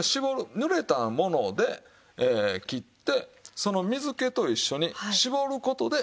濡れたもので切ってその水気と一緒に絞る事で緑色が残る。